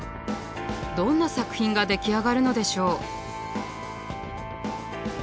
どんな作品が出来上がるのでしょう。